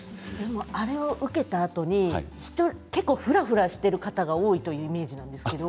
でも、あれを受けたあとに結構ふらふらしている方が多いというイメージなんですけど。